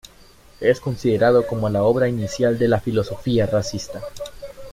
Es considerado como la obra inicial de la filosofía racista.